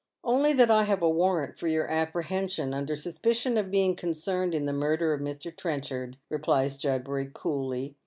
"Only that I have a warrant for your apprehension under euspicion of being concerned in the murder of Mr. Trenchard," replies Judbury, coolly.